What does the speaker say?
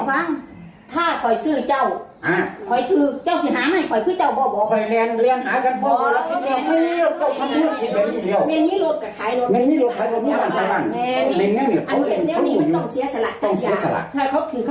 ถ้าเขาคือเขาต้องหายเหมือนกัน